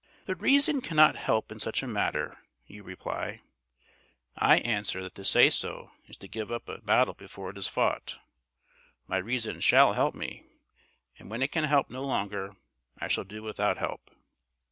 "The reason cannot help in such a matter," you reply. I answer that to say so is to give up a battle before it is fought. My reason SHALL help me, and when it can help no longer I shall do without help.